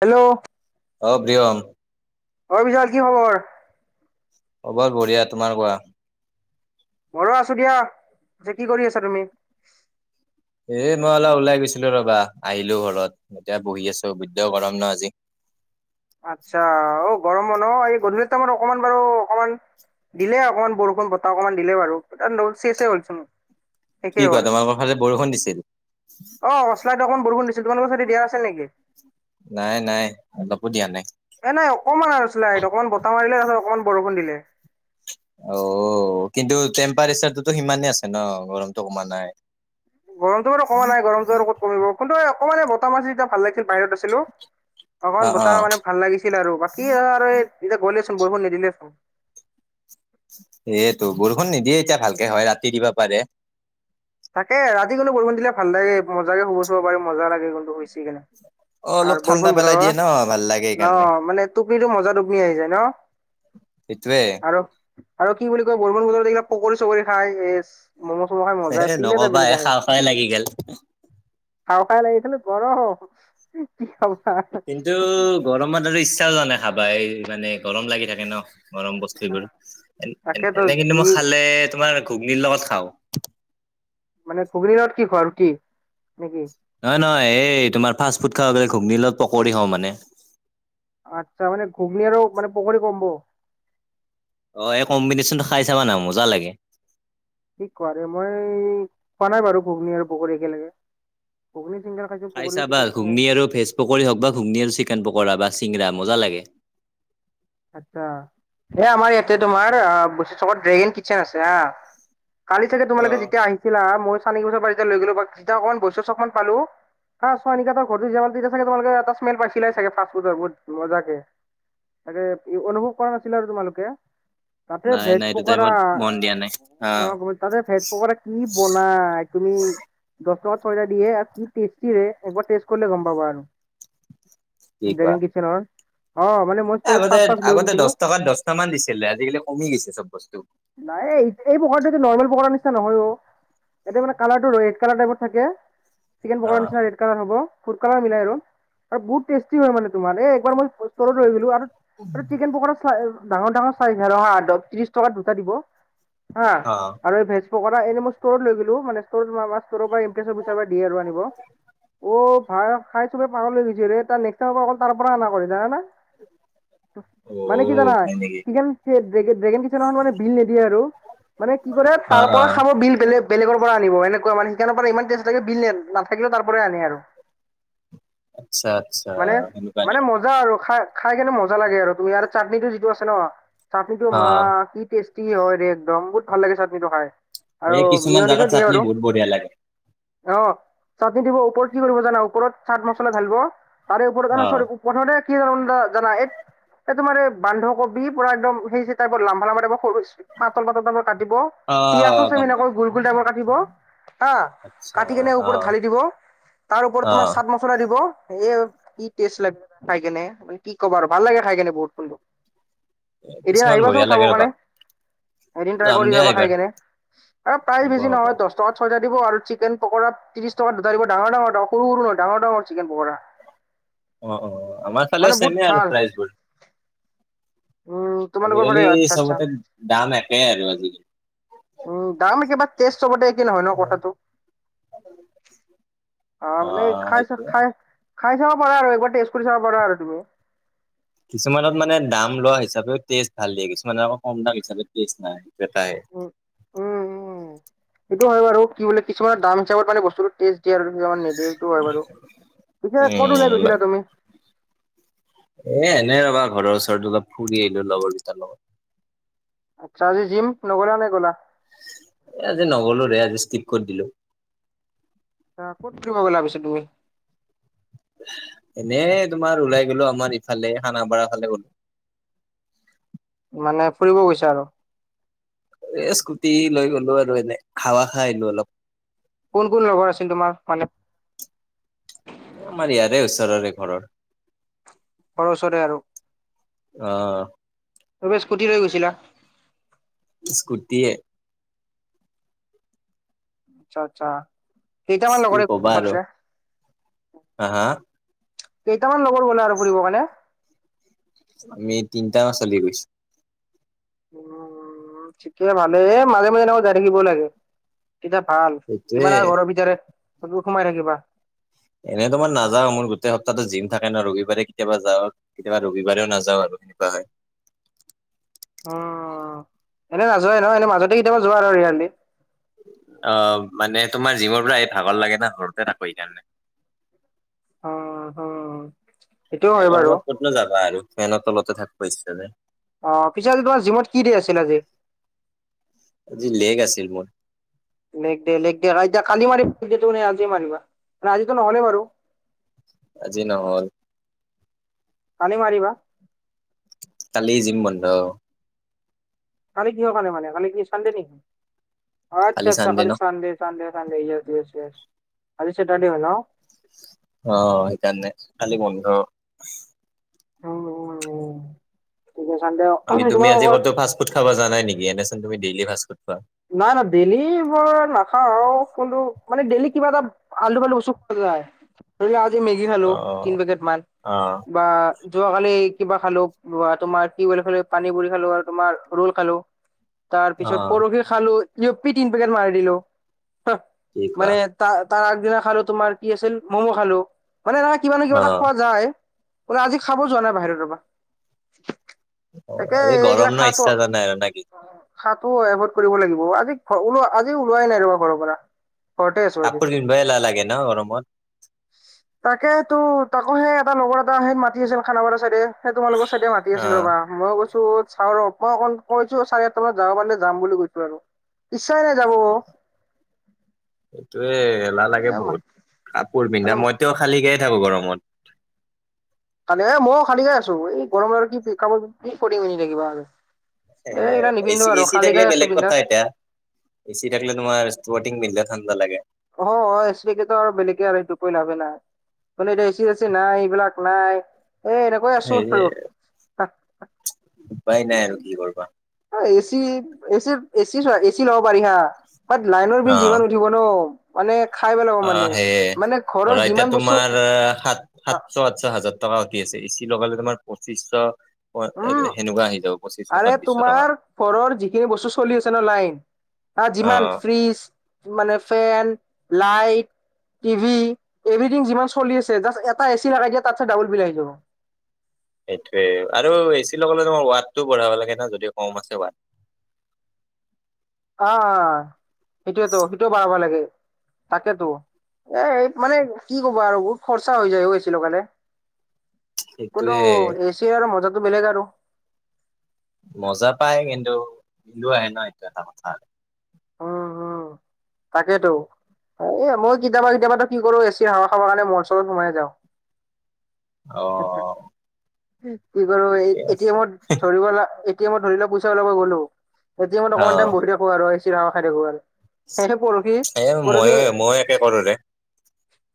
Hello? অ প্ৰিয়ম। অ বিশাল কি খবৰ? অ বৰ বঢ়িয়া, তোমাৰ কোৱা? মৰো আছো দিয়া, যে কি কৰি আছা তুমি? এ মই অলপ ওলাই গৈছিলো ৰবা! আহিলো ঘৰত এতিয়া বহি আছো বৃদ্দ গৰম ন আজি। উ [unintelligible] ন এই গধূলি টাইম অকণমান বাৰু অকণমান দিলে অকণমান বৰষুণ- বতাহ অকণমান দিলে বাৰু শেষে হ'লছোন। কি ক তোমালোকৰ ফালে বৰষুণ দিছিল যে অকণ বৰষুণ দিছিল তোমাৰলোকৰ ফালে দিয়া নাছিলে নেকি নাই নাই অলপো দিয়া নাই এ নাই অকণমান আৰু চালাইট অকণমান বতাহ মাৰিলে তাৰিছত অকণমান বৰষুণ দিলে অ কিন্তু টেম্পাৰেচতো সিমানে আছে ন গৰমতটো কমা নাই গৰমটো বাৰু কমা নাই গৰমটো আৰু কত কমিব কিন্তু অকমান বতাহ মাছ যেতিয়া ভাল লাগে বাহিৰত আছিলো অ অকণ অ বতাহ মানে ভাল লাগিছিল আৰু বাকি এতিয়া গলে এতিয়া বৰষুণ নিদিলেচোন এইটো বৰষুণ নিদিয়ে এতিয়া ভালকে হয় ৰাতি দিবা পাৰে তাকে ৰাতি কিন্তু বৰষুণ দিলে ভাল লাগে মজাকে শুব চব পাৰি মজা লাগে কিন্তু হৈছে কেনে অ অলপ আৰু ঠাণ্ডা বৰষুণ পেলাই বতৰৰ দিয়ে ন ভাল লাগে ন সেইকাৰণে মানে টোপনিতটো মজা টোপনি আহি যায় ন। সেইটোৱে আৰু আৰু কি বুলি কয় বৰষুণ বতৰ এই পকৰি চকৰি খাই এ ম'ম' চমো খাই এ মজাই পিলে ত নকবা বলে এ ক খাওঁ খাওঁ লাগি গেল খাওঁ খাই লাগিছিল গৰ কি খ কিন্তু গৰমত আৰু ইচ্ছাও যোৱা নাই খাবাই মানে গৰম লাগি থাকে ন মৰম বস্তুোৰ এ তাকেতো এনে যি কিন্তু মই খালে তোমাৰ ঘুগনিৰ লগত খাওঁ। মানে ঘুগনি লগত কি খোৱা কি নেকি? নহয় নহয় এই তোমাৰ ফাষ্ট ফুড খাব গলে ঘুগনি লগত পকৰি হওঁ মানে। আচ্ছা মানে ঘুগনি আৰু মানে পুখুৰী কমব। অ এই কম্বিনেশ্যনটো খাই চাবা ন মজা লাগে। কি ক মই কোৱা নাই বাৰু ঘুগনি আৰু পকৰি একেলগে ঘুগন খাই চা বা ঘুগনি আৰু ভেজ পকৰি হওক বা ঘুগনি আৰু চিকেন পকৰা বা চিংৰা মজা লাগে। আচ্ছা এই আমাৰ ইয়াতে তোমাৰ চত ড্ৰেগেন কিচেন আছে হা কালি চাগে তোমালোকে যেতিয়া আহিছিলা মই চানিকি বছৰ পৰা যেতিয়া লৈ গ'লো বা যেতিয়া অকণমান বৈচ্য চকমান পালো। হা চোৱা নিকাৰ ঘৰটো যিমানয়া চাগে তোমালোকে এটা স্মেল পাইছিলে চাগে ফাৰ্ষ্টফুডৰ বহুত মজাকে। তাকে অনুভৱ কৰা নাছিলা আৰু তোমালোকে তাতে নাই ভেজ নাই এইটো পকৰা টাইমত মন দিয়া নাই অ তাতে ভেজ পকাৰা কি বনাই। তুমি দশ টকাত ছয় তা দিয়ে, এবাৰ টেষ্ট কৰিলে গম পাবা আৰু বেগেন কি নহয় অ মানে মই ষ্টৰত আগতে পাঁচ পাঁচ লৈ আগতে গৈছিলো দহ টকাত দশ টকা মান দিছিলে আজিকালি কমি গৈছে চব বস্তু নাই এই এই পখৰাটোটো নৰ্মেল পকৰা ৰ নিচিনা নহয় অও ইয়াতে মানে কালাৰটো ৰেড কালাৰ টাইপত থাকে চিকেন অ পকৰা নিচিনা ৰেড কালাৰ হব। ফুড কালাৰ মিলাই আৰু আৰু বহুত টেষ্টি হয় মানে তোমাৰ এবাৰ মই ষ্টৰত ৰৈ গো আৰু চিকেন পকৰা চ ডাঙৰ ডাঙৰ চাৰি ত্ৰিশ টকাত দুটা দিব। হা অ। আৰু এই ভেজ এনে মই ষ্ট লৈ গো মানে ষ্টৰ পৰাচাৰ দে আৰু আনিব অ ভাই খাই চবে পাগল হৈ গৈছেৰে ত নেকচ টাইম পৰা অ তাৰ পৰা অনা কৰে জনানে? অ মানে কি জানাই হয় নেকি কি ড্ৰেগেন কিছুমান নহয় মানে বিল নিদিয়ে আৰু মানে কি কৰে অ তাৰ অ পৰা খাব বিল বেলেগ। বেলেগৰ পৰা আনিব এনেকুৱা মানে সিকানৰ পৰা ইমান টেষ্ট থাকে বিল নাথাকিলে তাৰ পৰা আনে আৰু আচ্ছা আচ্ছা মানে সেনেকুৱা মানে নেকি মজা আৰু খাই খাই কেনে মজা লাগে আৰু তুমি ই চাটনিটো যিটো আছে ন চাটনিটো অ। মা কি টেষ্ট কি হয় দে একদম বহুত ভাল লাগেছে চাটনিটো খাই আৰু এই কিছুমান মিয়নিচ জাগাত দিয়ে চাটনি বাৰু বহুত বঢ়িয়া লাগে অ চাটনি দিব ওপৰত কি কৰিব জানা ওপৰত চাট মচলা ধালিব। তাৰে ওপৰত অ সৰি পথমতে কি আা জানা এই এ তোমাৰ এই বান্ধকবি পুৰা একদম সেই টাইপৰ লামভালামাৰাই সৰু পাতল পাতল দামৰ কাটিব পিয়াজো অ', গম পাইছো চেমিকৈ গল গোল ডামৰ কাটিব। হা আচ্ছা কাটি কেনে ওপৰত অ', ঢালি দিব তাৰ ওপৰত তোমাৰ অ', চাদ মছলা দিব। এ কিষ্ট লাগে ঠাই কেনে ম কি কব আৰু ভাল লাগে ঠাই কেনে বহুত সুন্দৰ এতিয়া কিছুমান বঢ়িয়া আহিবাচোন লাগে খাবৰ ৰ'বা কাৰণে এদিন ট্ৰাই যাম কৰি দিয়া যাবা খাই এইবাৰ কেনে আৰু প্ৰায় হ'ব বেছি হ'ব নহয় দহটকা, ত ছয়জািব আৰু চিকেন পকোৰা ত্ৰিছ টকা দুটা দিব ডাঙৰ ডাঙৰ সৰু নহ ডাঙৰ ডঙৰ চিকেন পকোৰা হয়। অ অ আমাৰ ফালে চছেমে আৰু প্ৰাইজবোৰ উম তোমালোকৰ ফালে আজিকালি আচ্ছা আচ্ছা চবতে দাম একেই আৰু আজিকালি উম দাম কিবা তেজ চবতে কি নহয় ন কথাটো অ মানে খাইছ খাই। খাই চাব পাৰা আৰু একবাৰ টেষ্ট কৰি চাব পাৰা আৰু তুমি কিছুমানত মানে দাম লোৱা হিচাপেও টেষ্ট ভাল দিয়ে কিছুমানে আকৌ কম দাম হিচাপে ষ্ট নাই সটো এটাইে উম উম সেইটো হয় বাৰু কি বোলে কিছুমানৰ দাম হিচাপত মানে বস্তুটো টেষ্ট মটো হয় বাৰু পিছে কতো নাই উম, গৈছিলা তুমি এ এনেই ৰবা ঘৰৰ ওচৰৰত অলপ ফুৰি আহিলো লগৰকেইটাৰ লগত আচ্ছা আজি জিম নগ'লা নে গ'লা আজি নগলো ৰে আজি স্কিপ কৰি দিলো। আহ ক'ত ফুৰিব গলা পিছে তুমি? এনে তোমাৰ ওলাই গলো আমাৰ ইফালে খানাপাৰা ফালে গলো। মানে ফুৰিব গৈছে আৰু এ স্কুটি লৈ গলো আৰু এনে হাৱা খাই আহিলো অলপ। কোন কোন লগৰ আছিল তোমাৰ মানে আমাৰয়াৰে ওচৰৰে ঘৰৰ। ঘৰৰ ওচৰে আৰু আহ। ত বছ কুঠিৰ হৈ গৈছিলা? স্কুটীয়ে। আচ্ছা আচ্ছা কেইটামান কি লগৰ কবা গলা আৰু পিছে আহা কেইটামান লগৰ গলা আৰু ফুৰিব কাৰণে। আমি তিনটামান গৈছো। উম ঠিকে ভালে মাজে মাজে যাই থাকিবও লাগে। তেতিয়া ভাল সেইটোয়ে কিমান আৰু ঘৰৰ ভিতৰে ত সোমাই থাকিবা। এনেতো মই নাযাও মোৰ গোটেই সপ্তাহটো জিম থাকে ন ৰবিবাৰে কেতিাবা যাওঁ কেতিয়াবা ৰবিবাৰেও নাযাও আৰু কিবা হয় অ এনেই নাযোৱাই ন এনে মাজতে কেতিয়াবা যোৱা আৰু ৰিয়ালি আহ মানে তোমাৰ জিমৰ পৰা এই ভাগৰ লাগে ন ঘৰতে থাকো সেই কাৰণে। উম হুম সেইটোও এই হয় বাৰু গৰমত ক'তনো যাবা আৰু ফেনৰ তলতে থাকিব ইচ্ছা যে। অ পিছো আজি তোমাৰ জিমত কি দি আছিল আজি? আজি লেগ আছিল মোৰ। লেক দে লেক দে ৰাই খালী মাৰিম। ন আজ মাৰিবা মানে আজিতো নহ'লে বাৰু আজি নহল। কালি মাৰিবা। কালি জিম বন্ধ। কালি কিহৰ কাৰণে মানে কালি কি চানডে নি আচা আচ্ছা কালি চানডে চানড। আজি সেটাৰ ডে। অ সেইকাৰণে কালি বন্ধ। [unintelligible] বাকি তুমি আজি তোমালোকৰ কতো ফাষ্টফুড খাব যোৱা নাই নেকি এনেচুন ডেইল ফাষ্টফুড খোৱা? নাই নাই ডেইলি বৰ নাখাওঁ আৰু কোনটো মানে ডেইলি কিবা এটা আলু পালু উচু যায়। আজি মেগি খালো অ তি পেকেট মান অ', বা যোৱাকালি কিবা খালো বা তোমাৰ খাল পানী পুৰি খালো আৰু তোমাৰ ৰোল খালো। তাৰ পিছত অ', পৰহি খালো জয়পি তিন পেকেট মাৰি দিলো কি কোৱা মানে তাৰ। তাৰ আগদিনা খালো তোমাৰ কি আছিল ম'ম' খালো মানে এনেকা কিবা ন কিবা এটা অ', খোৱা যায়। আজি খাব যোৱা নাই বাহিৰৰ পৰা। তাকে অ', এই এইগিলা গৰম ন খাত। ইচ্ছা যোৱা নাই আৰু নেকি? চাহো এভৰ্ড কৰিব লাগিব আজি ওল আজি ওলাই নাই ৰবা ঘৰৰ পৰা। ঘৰতে আছো আজি কাপোৰ পিন্ধবাই এলাহ লাগে ন গৰমত? তাকে তো। তাকো সেই এটা লগৰ এটা সেই মাতি আছিল খানাপাৰ চাইডেেই তোমালোকৰ চাইডে মাতি আছিল অ', ৰবা মই কৈছো। চা মই কৈছো চি আঠটা মান যাব পাৰে যাম বুলি কৈছো। বাৰ ইচ্চাই নে যাব। নালাগে এ বহুত কাপোৰ পিন্ধা মানে মইতো খালীকয় থাকো গৰমত। খালি এ মইয়ো খালী গে আছো এই গৰম দৰ কি কামত কি কৰি মিনি থাকিবা আ। এ এচি থাকিলে বেলেগ কথা বিন্দাছ এতিয়া এচি থাকিলে তোমাৰটি ম। ঠাণ্ডা লাগে।। অ অচিনকেতো আৰু বেলেগে আৰু এইটো কই লাভে নাই। মানে এতিয়া এচি এচি নাই এইবিলাক নাই এ এনেকৈ আছো আৰু। উপাই নাই আৰু কি কৰিবা। A C A C AC so A C ল'ব পাৰি হা বাট লাইনৰ বিল অ'। যিমান উঠিব ন। ল মানে অ', সেয়ে মানে। ঘৰৰ ধৰা এতিয়া যিমান বস্তু তোমাৰ সাত সাতশ সাতশ হাজাৰ টকা উঠি আছে। ই লগালে তোমাৰ পশিচটা। উম আৰে টকা। তোমাৰ ঘৰৰ যিখিনি বস্তু চলি আছে ন লাইন্ হা যিমান অ'। ফ্ৰিজ মানে ফেন লাইট। টিভি এভ্ৰিথিং যিমান চলি আছে জাষ্ট এটা এ চি লগাই দিয়ে তাৰপিছত ডাবল বিল আহি যাব। সেইটোৱে আৰু এ চি লগাবলৈ তোমাৰ ৱাটটো বঢ়াব লাগে ন যদি কম আছে ৱাট। অ অ সেইটোৱেতো সেইটোও বঢ়াব লাগে। তাকেতো এ মানে কি কব আৰু বহুত খৰচা হৈ যায় গৈছিলো কানে। কিন্তু সেইটোয়ে এচিৰ আৰু মজাটো বেলেগ আৰু। মজা পাই কিন্তু বিলো আহে ন এইটো এটা কথা। তাকেইেতো। এ মই কেতিয়াবা কেতিয়াবাটো কি কৰো এচিৰ হাৱা খাৱাৰ কাৰণে মোৰ অঞ্চলত সোমাই যাওঁ। অ কি কৰ এই ঠিকে আছে এটিএমত ধৰিব। এতিয়া মই ধৰি লোৱা পইচা ওলাব গ'লো এতিএমত অ অকমান টাইম বহি থাকো আৰু এচিৰ হাৱা খাই থাকো আৰু। সেইটো পৰখি এ পৰখি। ময়ো ময়ো একে কৰো দে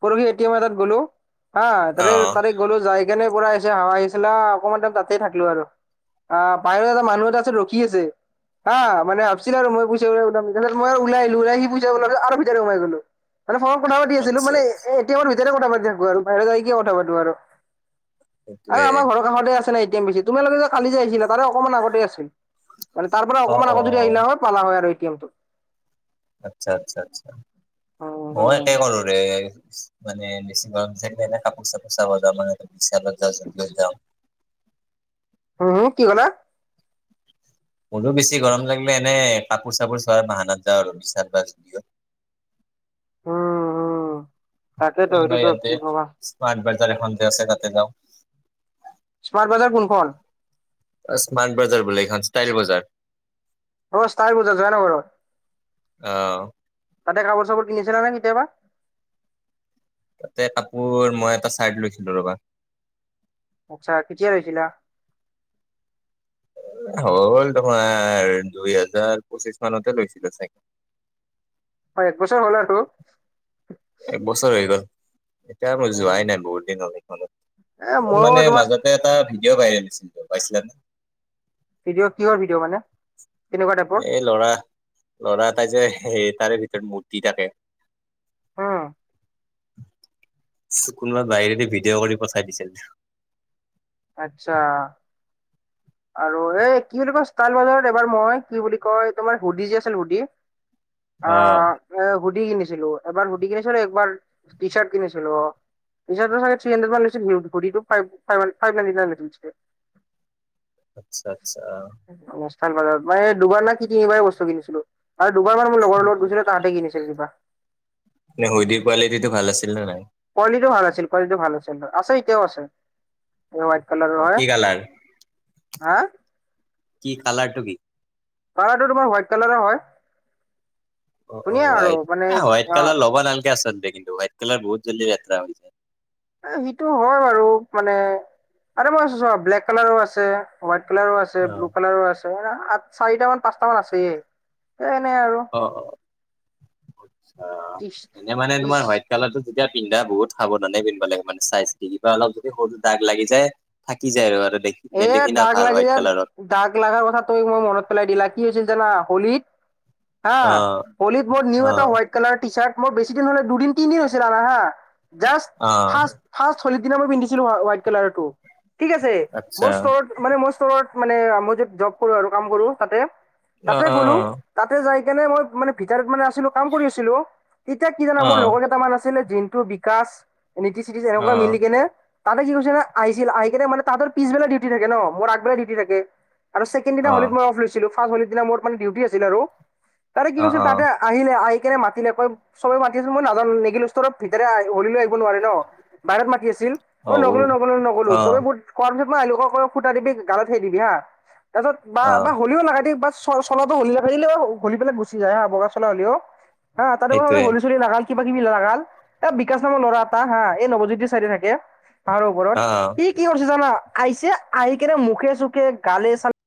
পৰহি এ টিম এতাত গ'লো হা অ তাতে তাতে গলো যায়। সেইকাৰণে পৰা আহিছে হাৱা আহিছে না অকনমান টাইম তাতেই থাকিলো আৰু। আহ বাহিৰত এটা মানুহ এটা আছে ৰখি আছে। হা মানে ভাবছিল আৰু মই পইচা ওলাম মই ওলাই। লৰা আহি পুজাব আৰু ভিতৰলে সোমাই গলো মানে ফনত কথা পাতি আছিলো আচ্ছা মানে আচ্ছা এতিয়েমৰ ভিতৰতে কথা পাতি। আৰু বাহ যাই কিয় কথা পাতো আৰু সেইটোৱে। আমাৰ ঘৰৰ কাষতে আছে নে। তোমালোকে যে কালি যে আহিছিলা। তাৰে অকমান আগতে আছিল মানে তাৰ পৰা অ অকমান অ আগত যদি আহিলা হয় পালা হয় আৰু এতিয়েমটো। আচ্ছা আচ্ছা আচ্ছা মই একে হুম কৰো ৰে। মানে বেছি গৰম থাকিলে এ কাপোৰ চাপোৰ চাব যাওঁ মানে বিশালত যাওঁ য'ত যাওঁ। হম হম কি ক'লা? মোৰো বেছি গৰম লাগিলে এনে কাপোৰ চাপোৰ চোৱাৰ বাহানাত যাওঁ আৰু বিশাল বা যুদিয়ত। উম উম তাকেইেতো এইটোতো কি কবা। ইয়াত এখন যে আছে তাতে যাওঁ। স্মাৰ্ট বাজাৰ কোনখন। স্মাট বজাৰ বুলি এইখন ষ্টাইল বজাৰ। অ ষ্টাইল বজাৰ যানানে বাৰু অ'। তাতে কাপোৰ চাপোৰ কিনিছিলা নে কেতিয়াবা তাতে কাপোৰ মই এটা চাৰ্ট লৈছিলোঁ ৰ'বা আচ্ছা কেতিয়া লৈছিলা? হ'ল তোমাৰ দুই হাজাৰ পঁচিছ মানতে লৈছিলো চাই অ এক বছৰ হ'ল আৰু তোৰ এক বছৰ হৈ গ'ল। এতিয়া মই উম যোৱাই নাই বহুত দিন হল সেইখনত এ মইও মানে তোমাৰ মাজতে এটা ভিডিঅ' ভাইৰেল হৈছিল পাইছিলা নে ভিডিঅ কিহৰ ভিডিঅ' মানে কেনেকুৱা টাইপৰ এই ল'ৰা ল'ৰা এতাই যে সেই তাৰে ভিতৰত মূৰ্তি থাকে। অ কোনোবা বাহিৰেদি ভিডিঅ' কৰি পঠাই দিছিল। আচ্ছা। আৰু এই কি বুলি কয় ষ্টাল বজাৰ এইবাৰ মই কি বুলি কয় তোমাৰ হুডি যে আছিল হুডি অ এ শুডি কিনিছিলো এবাৰ শুডি কিনিছিলো একবাৰ টি চাৰ্ট কিনিছিলো। [unintelligible] আচ্ছা আচ্ছা চাল পত মানে দুবাৰ না কি তিনিবাৰেই বস্তু কিনিছিলো আৰু দুবাৰ মমান মোৰ লগৰ লগত গৈছিলো তাহতে কিনিছিল কিবা নে হুইদিৰ কোৱালিটিটো ভাল আছিল নে নাই? কোৱলিতো ভাল আছিল কোৱালিটো ভাল আছিল আছে ইতিয়াও আছে বাইট কলাৰ অ' হয় কি কালাৰ হা কি কালাৰটো কি কালাৰটো তোমাৰ হোৱাইট কালাৰ হয় অ অ ধুনীয়া আৰু মানে হোৱাইট অ কালাৰ ল'ব নালগে আছে কিন্তু হোৱাইট কালাৰ বহুত জল্দি লেতেৰা হৈ যাই এ সিটো হয় বাৰু মানে আৰু মই চ ব্লেক কালাৰো আছে হোৱাইট কালাৰো আছে অ ব্লু কালাৰো আছে আ চাৰিটা মান পাঁচটা মান আছে অ অ আচ্া ত্ৰিশ এনে মানে ত্ৰিশ তোমাৰ হোৱাইট কালাৰটো তেতিয়া পিন্ধা বহুত সাৱধানে পিন্ধব লাগে মানে চাই চিতি কিবা অলপ যদি সৰুটো দাগ লাগি যায় থাকি যায় আৰু দেখি এ নেদেখি না দাগ ভাল লাগি হোৱাইট যে কালাৰত। দাগ লাৰ কথা তুমি মই মনত পেলাই দিলা কি হৈছিল জানা হলিত হা অ হলিত ব নিউ অ এটা হোৱাইট কালাৰ টি চাৰ্ট মোৰ বেছি দিন হলে দুদিন তিনদিন হৈছিল না হা জাষ্ট অ ফাৰ্ষ ফাৰ্ষ হলি দিনা মই পিন্ধিছিলো হোৱাইট কালাৰো ঠিক আছে আচ্ছা মই ষ্ট'ৰত মানে মই ষ্টৰত মান মই যে জব কৰো আৰু কাম কৰো তাতে অ তাতে অ গ'লো তাতে যাই নে মই মানে ভিতৰত মানে আছিলো কাম কৰিছিলো তেতিয়া কি জানা অ অ মোৰ লগৰ কেইটামান আছে যোনটো বিকাশ নীতি চিতি অ এনেকুৱা মিলি কেনে তাতে কি কৈছিল না আহিছিল আহি কেনে মান তৰ পিছবেলা ডিউটি থাকে ন মোৰ আগবেলা ডিউটি থাকে আৰু ছেকেণ্ড দিনা অ হলত মই অফ লৈছিলো ফাৰ্ষ হল দিনা মোৰ মানে ডিউটি আছিল আৰু তাৰে কি অ কৈছিল তাতে অ আহিলে আই নে মাতি নে কয় চবে মাতি আছ মই নাজান নিগিলো ভিতৰে হৰিলেও আহিব নোৱাৰে ন বাহত মাতি আছে আছিল মই ঔ নগলো নগলো নগলো অ চবে কৰোৱাৰ পিছত মইলোকক খুটা দিবি গালত সেই দিবি হা তাৰ পিছত অ বা হলিও লগাই দি বাছ চলা হলি ৰা দিলে হলি পেলাই গুচি যায় হা বগা চলা হ'লেও হা তাৰতে পৰা সেইটোৱে হল চলী ন কিবা কিবিলাগাল এ বিকাশ নামৰ ল'ৰা এটা হা এই নৱজ্যোতিৰ চাইডে থাকে তাৰ ওপৰত অ অ কি কি কৰিছে জানা আহিছে আহি কেনে মুখে চুখে গালে চালে